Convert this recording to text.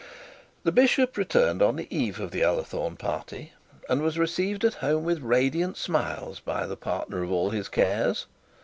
The bishop returned on the eve of the Ullathorne party, and was received at home with radiant smiles by the partner of all his cares.